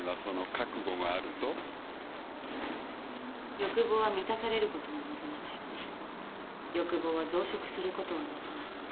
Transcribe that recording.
「欲望は満たされることを望まない」「欲望は増殖することを望む」